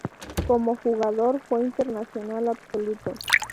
Como jugador fue internacional absoluto.